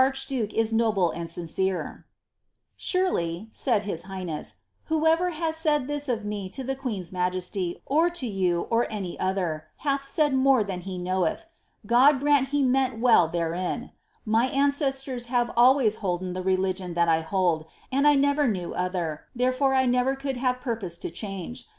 iwer of the archduke is noble and sincere :—«,' said his highness, * whoever has said this of roe to the queen*8 ma you, or to any other, hath said more than he knoweth. God grant ho , therein. My ancestors have always holden the religion that I hold, r knew other, therefore I never could have purpose to change.